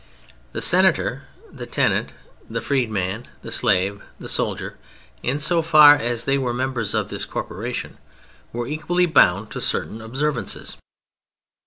The senator, the tenant, the freed man, the slave, the soldier, in so far as they were members of this corporation, were equally bound to certain observances.